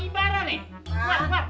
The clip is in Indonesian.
keluar keluar keluar